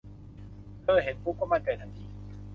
เธอเห็นปุ๊บก็มั่นใจทันที